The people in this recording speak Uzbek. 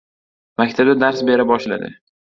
Maktabda dars bera boshladi.